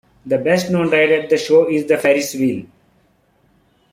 The best known ride at the show is the Ferris wheel.